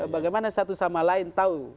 bagaimana satu sama lain tahu